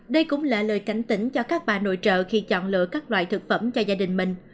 đây cũng là lời cảnh tỉnh cho các bà nội trợ khi chọn lựa các loại thực phẩm cho gia đình mình